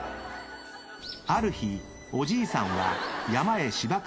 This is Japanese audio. ［ある日おじいさんは山へしば刈りに］